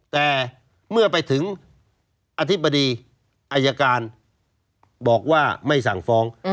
แต่เมื่อไปถึงอธิบดีอายการบอกว่าไม่สั่งฟ้อง